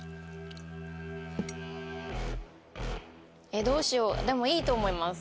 ・えっどうしようでもいいと思います。